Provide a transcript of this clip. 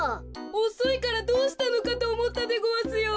おそいからどうしたのかとおもったでごわすよ。